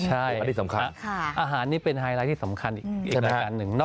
ใช่อาหารนี้เป็นไฮไลท์ที่สำคัญอีกรายการหนึ่ง